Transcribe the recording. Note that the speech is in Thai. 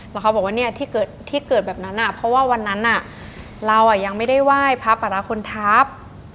แล้วเขาบอกว่าเนี่ยที่เกิดแบบนั้นเพราะว่าวันนั้นเรายังไม่ได้ไหว้พระปราคนทัพ